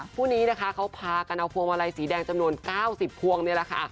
ภูนิเขาพากันเอาภวงมาลัยสีแดงจำนวน๙๐ฟัวง์นี่แหละค่ะ